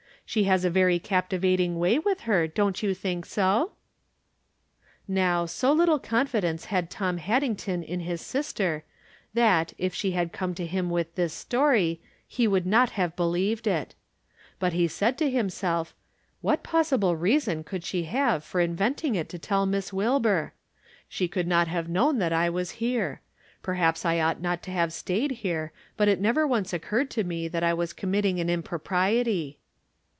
She has a very captivating way with her ; don't you think so ?" ISTow, so little confidence had Tom Haddington in Iris sister that, if she had come to him with this story, he would not have believed it. But he said to himself, "What possible reason could 298 From Different Standpoints. she have for inventing it to tell Miss Wilbur ? She could not have known that I was here. Per haps I ought not to have staid here, but it never once occurred to me that I was committing an impropriety."